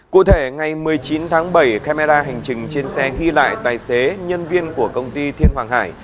cụ thể ngày một mươi chín tháng bảy camera hành trình trên xe ghi lại tài xế nhân viên của công ty thiên hoàng hải